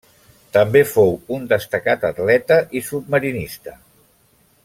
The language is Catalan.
També fou un destacat atleta i submarinista.